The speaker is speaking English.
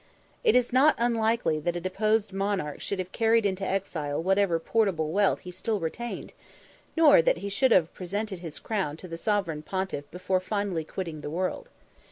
It is not unlikely that a deposed monarch should have carried into exile whatever portable wealth he still retained, nor that he should have presented his crown to the Sovereign Pontiff before finally quitting the world.